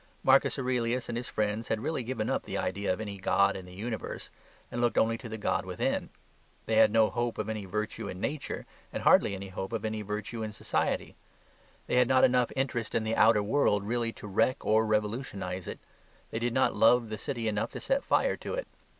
Marcus Aurelius and his friends had really given up the idea of any god in the universe and looked only to the god within. They had no hope of any virtue in nature, and hardly any hope of any virtue in society. They had not enough interest in the outer world really to wreck or revolutionise it. They did not love the city enough to set fire to it.